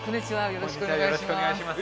よろしくお願いします